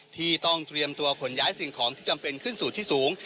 ที่ต้องเตรียมตัวขนย้ายสิ่งของที่จำเป็นขึ้นสู่ที่สูง